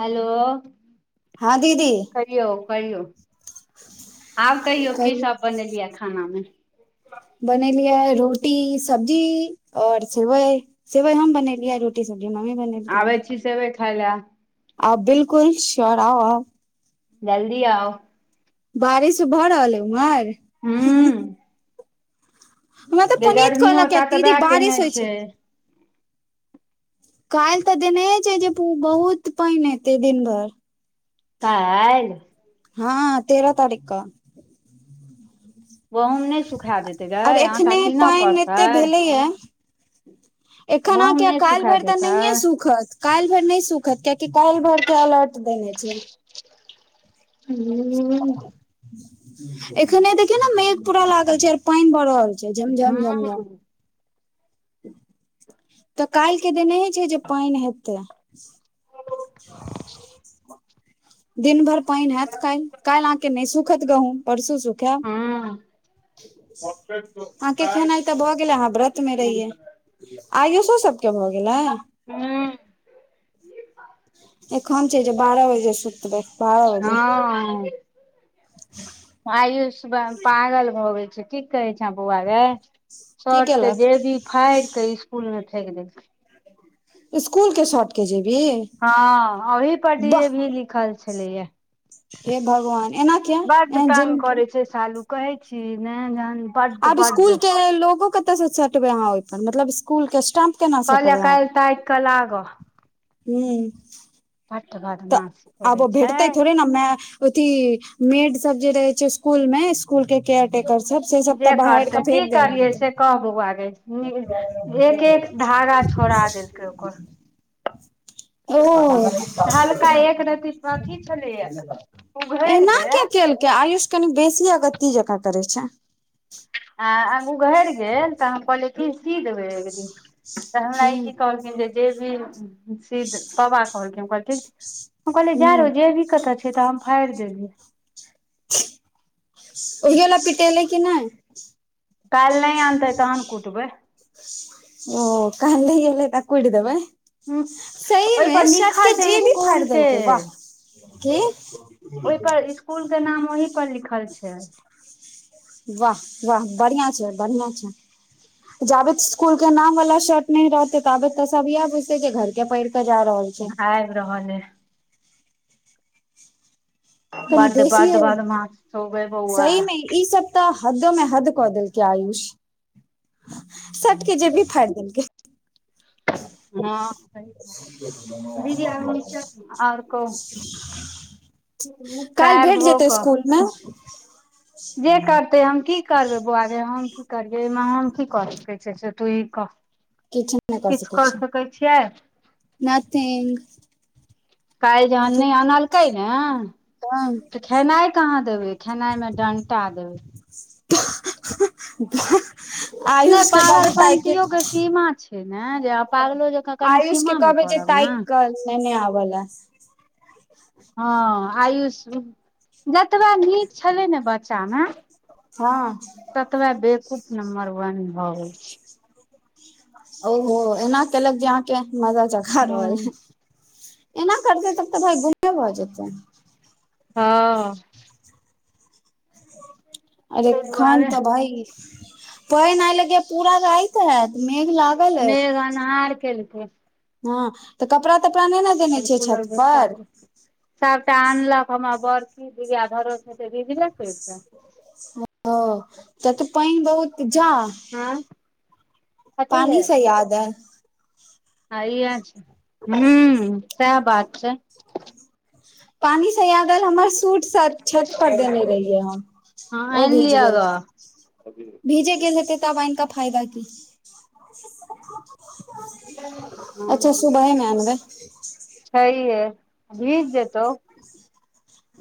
hello हँ दीदी कहियो आब कहियौ की सब बनेलियै खाना मे बनेलियै आइ रोटी सब्जी और सेवइ सेवइ हम बनेलियै रोटी सब्जी ममी आबै छी सेवै खाय लय आ बिलकुल श्योर आउ आउ जल्दी आउ बारिश भऽ रहल अय उम्हर हम्म हमरा तऽ पनीत गर्मियो कहलक य टा तऽ दीदी वएह केने बारिश होइ छै काल्हि तऽ देनहे छै जे बहुत पैन एतै दिन भर काइल हँ तेर तारीख क गहुंम नइ सुखाए देतै गै आँटा कीनऽ परतै य एखन गहूँम अहाँके नहि काल्हि सुखा भरि तऽ देतै नहिए सुखत काल्हि भरि नहि सुखत कियाकि काल्हि भर के अलर्ट देने छै हूँ एखने देखियऔ ने मेघ पूरा लागल छै और पडन बढ़ल छै झमझमझमझम हूं तऽ काल्हि के देना छै जे पैन हेतै [inaudible] दिन भर पैन हैत कल्हि काल्हि आहाँके नइ सुखत गहूँम परसू सुखायब हूं अहाँके खेनाइ तऽ भऽ गेले अहाँ व्रत में रहिये आयो सभके भऽ गेलै हम्म एखन छै जे बारह बजे सुतबै बारह बजे हँ आयुषव पागल भगेल छै की कहै छें बौआ गे की शर्ट के केलक जेबी फाइर क स्कुल में फेक देलकै इसकूल के शर्ट के जेबी हँ ओहि पर डी वाह ए भी लिखल छलैया हे भगवान एना किया बड्ड एना तंग जुलम किये करे छै सालू कहै छी ही ने जान आब इसकुल के लोगो कतय से सटबै अहाँ ओइ पर मतलब स्कुल के स्टम्प कते नशटब कहलियै हमर काल्हि ताकि कऽ लागऽ ह [inaudible] आब ओ भेंटतै छै थोड़े ने मै अथी मेड सब जे रहै छै स्कूल मे स्कुल के केयर टेकर सब से सब तऽ जे बाहहार करतै क की फेेक दे करियै म से कह बौआ गै एक एक ब धागा छोड़ा देलकै ओकर [inaudible] ओ हल्का एक रति अथी छलैया उघैड़ एना गेल के केलकै आयुष कनि बेसी अगत्ती जकाँ करै छै आ आगू घरि गेल तऽ हम कहले क सी देबे एक दिन तऽ हमरा ई हूँ की कहल जे भी सिद बाबा कहलखिन हम कहलै ठीक कहलियै जा हूँ रौ जेबी कतऽ छै तऽ हम फाड़ि देलियै ओहि ल पिटेल की नहि काल्हि नइ आनतै तहन कुटबै ओ कन्देले त कुट देबै हूँ सहीमे ओहिपर सबके लिखल छै जेबी स्कूल फार के देलक वाह के ओहि पर स्कूल के नाम ओही पर लिखल छै वाह वाह बढियां छै बढ़ियां छै जाबे स्कूल के नाम वाला शर्ट न रहतै ताबे तऽ सब इएह बुझते जे घर के पढ़ जा रहल छै आबि रहल हइ कनी बड्ड बेसीए बड्ड बदमाश छौ गै बौआ सहीमे ई सब तऽ हदो में हद कऽ देलकै आयुष सटके जेबी फाड़ देल क हँ दीदी आ नचा आओर कहु काल्हि पएर भेट धो जेतै क स्कूल मे जे करते हम की करबै बौआ रे हम की करबियै एहिमे हम की करै छै से तू ई किछु कर सकै छियै मैथिली [inaudible] काल्हि जहन नहि आनलकै ने खेनाइ कहाँ देबै खेनाइ मे डंटा देबै नहि आयुष के बड्ड पाइके पागलपंतियो के सीमा छै ने जे पागलो जकाँ कनि सीमा मे करब न नहि नहि आब ल हँ आयुष जतबे नीक छलै ने बच्चामे हँ ततबा बेकूफ नम्बर वन भ गेल छै ओहो एना केलक जे अहांके मजा चखा हँ रहल है एना करते तब तऽ भाइ बुमे भऽ जेतै हँ अरे खन दुआरे तऽ भई पैन लगे पूरा राइत है मेघ लाग मेघ अन्हार कैलेके हँ तऽ कपड़ा तपड़ा नहि ने देने छिय छत पर सबटा आनलक हमर बड़की बिआ घरो छै तऽ भीजबे करिता ह तत पानिबहुत जा हँ कथी पानीसे याद आएल आइ इह छै हूं सएह बात छै ह [unintelligible] [unintelligible] पानी से याद आएल हमर सूट शायद छत पर देने रहियै हम हँ ओ आनि भीज लिअ ग गेलै भीजे गेल हेतै तब आनकऽ फायदा की हँ अच्छा सुबहे मे अनबै छैहे भीज जेतौ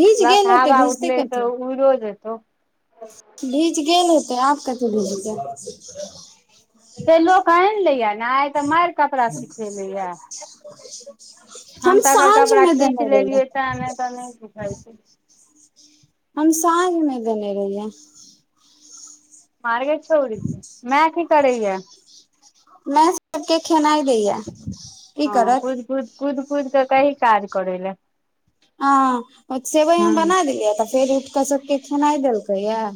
भीज प्लस गेल हेतै हवा भीजतै उठल कथी तऽ उरो जेतौ भीज गेल हेतै आब कथी भीजतै से लोक आनि लैया ने आइ तऽ मारि कपड़ा सिखेलैया आ हम तऽर कपड़ा खींच लेलियै रहियै ते नहि तऽ नहिछइ छै हम साँझ मे देनेे रहहि मारग छौड़ी मैय की करैय मैंसमे किखेनाइ दैया की हँ करत कुद कुद कुद कुद कऽ कहि काज करै लए आ सेवइ हम हँ बना देलियै तऽ फेर उठक सबके खेनाइ देलकै यए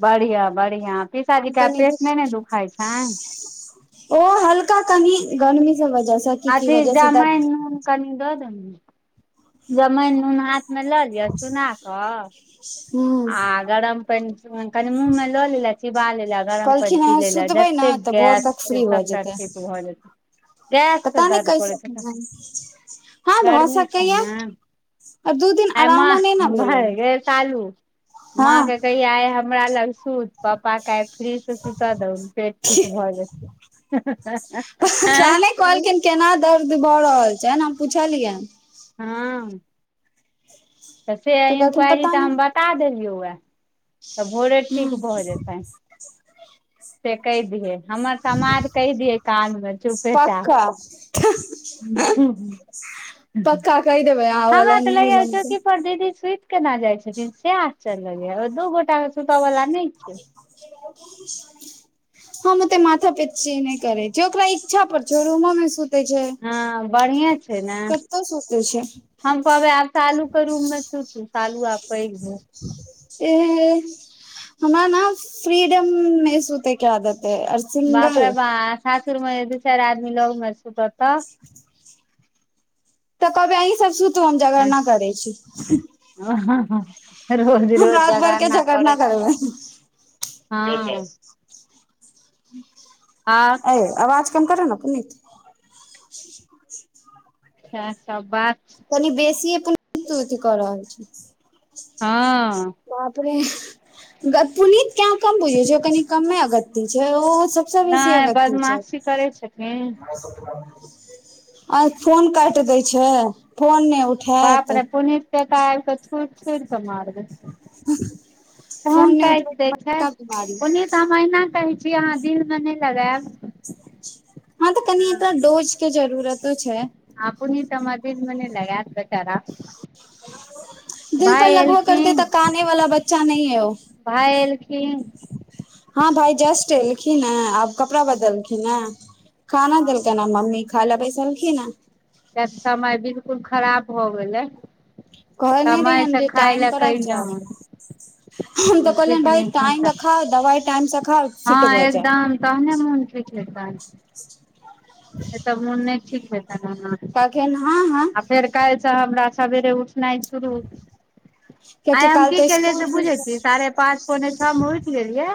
बढ़िया बढ़िया पीसाजी के आइ कनि पेट नइ ने रुकि दुखाइ छनि ओ हल्का कनि गर्मी से बच्चा अथी जमाइन नून कनि दऽ दहुं जमाइन नून हाथ मे लऽ लिअ चुना कऽ हँ आ गरम पानि कनी मुंँह में लो ला चिबा ला गरम पनि कहलखिन पी अहाँ ले ला सुतबै ने जतेक तऽ भोर गैस तक से फ्री भऽ सबबटा जेतै ठीक भऽ जेतै गैससँ पता नहि दर्द करै कैसे छै हँ भऽ गर्मी छै सकैया ने आ दू दिन अ आरामो नहि ने म भेलै भर ग शालू हँ माँ के कहि आइ हमरा लग सूत पापा क आइ फ्री से सुता दहन पेट ठीक भऽ जेत पता आँय नहि कहलखिन केना दर्द भऽ रहल छै ने हम पुछलियै हँ तऽ से कहलखिन इन्क्वारी पता तऽ हम नहि बता देलियौ वए तऽ भोरे ठीक भऽ जेतैन से कहि दियै हमर समाज कहि दियै काज में चुपेचाप ह ह हू हू कहि देबै अहाँ हमरा वला तऽ लग न्यूज हमके चौकी पर दीदी सुति केना जाइ से आश्चर्य लगै दू गोटा सुतऽ गल न आ हम ओते माथा पे चिय नहि करे छी ओकरा इच्छा पर छै रूमो में छै हँ बढ़िये छै ने कत सोते छै हम कहबै आब शालू के रूम में छु शालू आब पैघ हो हमरा ने फ्रीडम मे सुते क्य देतै बापड़ ब सासुर में दू चार आदमी लगन सुट तऽ तऽ कबी अहीं सब सुत हम जगड़ न करै छी आ रोज हम रोज रात जग भर के न झगरना करै रह करबै हँ आ अ आवाज कम करे ने पुनत अ सब बात कनि बेसी अपन अथ कऽ रहल छी हँ अपे पुनत क्य कम बुझै छै कनि कमे अगति छै ओ सबसँ बेसी नहि अगत्य छै बदमाशी करै छथिन आ फोन काट देय छै फोन ने उठ बाप ने पुनीर त कह आक छूट छूड़ क मारग फोन तहन नहि काट उठबै के दै छै बड़का बीमारी ओने त महिना कहै छी अहाँ दिल में नहि लगायब हँ तऽ कनि ए डोज के जरूरतो छै अपने त द मने लगैत बेचारा दिल पर भाय लगबा करते एलखिन तऽ कने वाला बच्चा न है ओ भाय एलखिन हँ भाई जस्ट एलखिन ह आब कपड़ा बदलखिन ह खाना हँ देलक न मम्मी खाइ ल बैसलखी न समय बिलकुल खराब भए गेलै कहने समय रयन से जे खाय टाइम लए पर आबि कहियौन जायब हम त मोन कहलिय ठीक भइ नहि छनि टाइम र तऽ खााव दवइ टाइम स खाउ फिट हँ भऽ जायब एकदम तहने मोन ठीक होयतन एतऽ मोन नहि ठीक भेलनि केनाह ह आ फेर कालिसँ हमरा सवेरे उठनाइ शुरू आइ कियाकि हम काल्हि की तऽ केलियै स्कूल से बुझे खुलतै छीय साढ़े पांच पौने छओं उठि गेलियै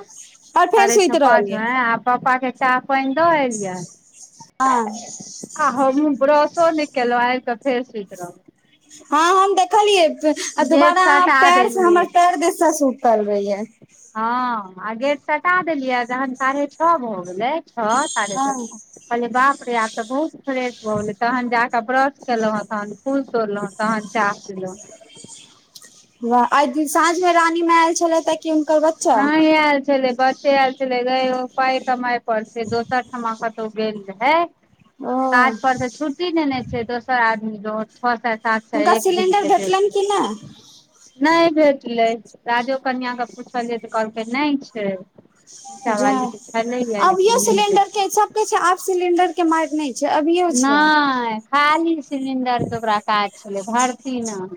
आओर फेर साढ़े छओ सुति पाच ग रहलियै आ पप्पा के चाह पानि द एलियै ह आ हम ब्रशो नहि केलहुं आबिकऽ फेर सुति रहहु हँ हम देखलियै गेट दुबारा सटा पेड़ से देलियै हमर पेर द सूट चल गईऐ [inaudible] हँ आ गेट सटा देलियै जहन साढ़े छह भऽ गेलै छत कहलियै बाप रे आब तऽ बहुत फ्रेश भऽ गेलै तहन जाकऽ ब्रश केलहु हन फूल तोड़लहुँ तहन चाह पिलहुँ आइ साँझ मे रानीमे आयल छले त नहि आयल छलै ब आयल छलै पााय कमााय पर छै दोसर ठमा कतहु गेल रहे ओ काज कर त छुटी ने ने छै दोसर आदमी ज छओ सात सात सॅ हुनका एक दिन सिलेंडर के भेटलनि देतै कि नहि नहि भेटलै राजो कन्य के पूछल जे तऽ कहलकै नहि छै नीचा ज वाली के छलैया अभियो लेकिन नहि सिलिंडर देतै के सबके छै आब सिलिंडर के मारि नहि छै अभियो छै नहि खाली सिलिंडर के ओकरा काज छलै भरती न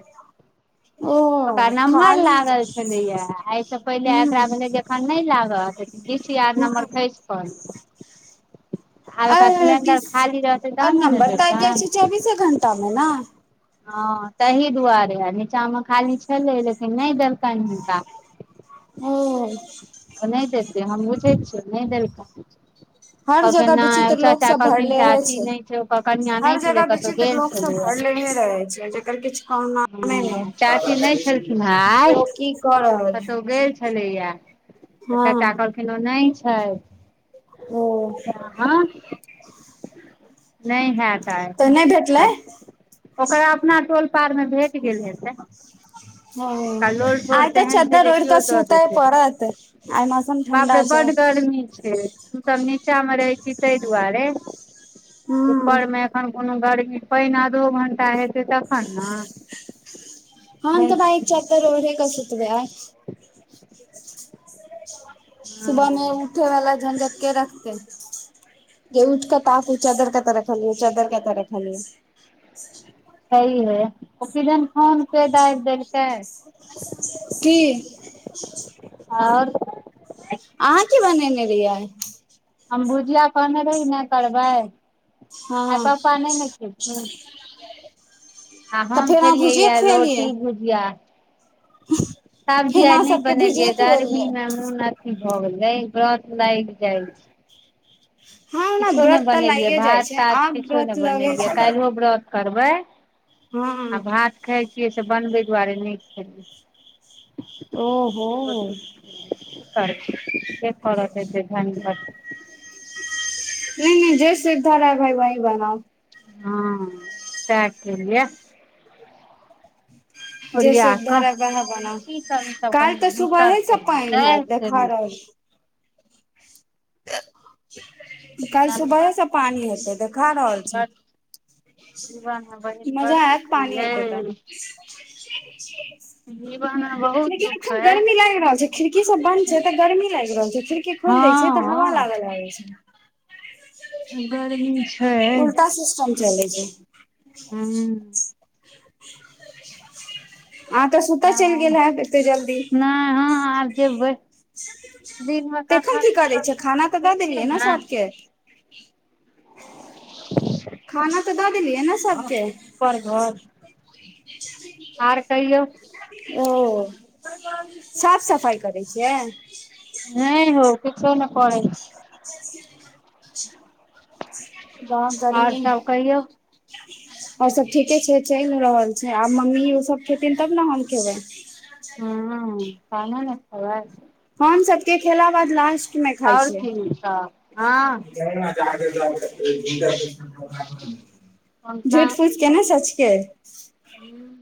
ओ ओकरा नम्बर खाली लागल छलैया एहिसँ पहिले हूँ एकरा भेल जखन नहि लागत डी सी आर हूँ नम्बर खैस परलै आब आ ओकरा सिलेंडर डिस खाली रहतै आ तहने ने ने नम्बर तऽ आबि जाइ छै देतै चौबीसे घण्टा मे ने हँ ताह दुआरे नीचाँमे खाली छलै लेकिन नहि देलकनि हुनका ओ ओ नहि देतै हम बुझै छियै नहि देलकै हर जगह कहल विचित्र लोक चाचा सब कहलखिन भरलेहे चाची नहि छै कनिया हर नहि छल जगह कतहु विचित्र गेल लोक सब छलैए भरले रहै छै जकर किछु कामनामे नहि हँ चाची नहि छलखिन हे आइ क है [inaudible] कतहु गेल छलैया तऽ चर्च कहलखिन ओ नहि ओ छैथ नहि होयत तऽ नहि भेटलै आ ओकरा अपना टोल पार मे भेट गेल हे से ह आइ तऽ तेहन छै चन्द्र जे ओढक किओ सुतै परत आइ मसन बापड़े बड गर्मी छै हम सब नीचा मे रहै छी ताहि दुआरे हूँ ऊपर मे एखन कोनो गर्मी पानि आधो घण्टा हेतै तखन ने हँ नहि तऽ बइ छै चदर ओरे क सुतबै आइ हँ सुबहमे उठेवला झञझट के रखते जे उठ क ताकऊ चादर क तर खा लिय चादर क तर र खा लियै सही है ओ किजन फोन पे दाब देलकै की आओर अहाँ की बनेने रहियै हम भुजिया कहने रही नहि करबै आइ हँ पापा नहि ने खेथिन आ तऽ हम फेर अहाँ खेलियै भुजिये यए रोटी खुएलियै भुजिया सब्जी आइ छेना नहि सबके बनेलियै भुजिये गर्मी खुएलियै मे मोन अथी भऽ गेलै व्रत लाग जाय छै हँ हमरा किछो नहि व्रत तऽ बनेलियै लागे जाइ भात छै तात आब किछो व्रत नहि लगे बनेलियै छै काल्हिओ व्रत करबै हँ आ भात खाइ छियै से बनबै दुआरे नहि खै ओहो करब कर धन ब [unintelligible] नहि न जे सुविधा रह भइ वहि बनाउ हँ ते के लिए जे ओरिया कऽ सुधर वह बना तुलसी सब ई सब कालि कनि तऽ भीतर सुबहेसँ कऽ पानि देतै हत से देखार नहि कालि सुबहेसँ पानि हेतै देखा रहल छ बड जीवन मे बहिन बड़ मजा आयत दुःख अइ पानी हतै त यै जीवन मे बहुत लेकिन दुःख एखन अइ गर्मी लागि रहल छै खिड़की सब बन्द छै तऽ गर्मी लागि रहल छै खिड़की खोल दै छै त हवा लागै हँ लगैय छै गर्मी छै उल्टा सिस्टम चले छै हूँ अहाँ तऽ सुतऽ चलि गेल हँ हैब एते जल्दी नहि हँ आब जेबै दिन मे तऽ एखन कथा की करै सुथा छै खाना तऽ दऽ करै छ देलियै ने [unintelligible] सबके [unintelligible] खाना तऽ दऽ देलियै ने सबके पर घर आर कहियौ ओ साफ सफाइ करै छियै नहि हौ किछ ने पङेछि [inaudible] अच्छा [unintelligible] आओर सब कहियो आओर सब ठीके छै चलि रहल छै आब मम्मी ओ सब खेथिन तब ने हम खेबै हँ तहने त खेबे हम सभके खेला बाद लास्ट मे खाइ आओर छियै की सब हँ पंखा झुल [unintelligible] केना सचिक हू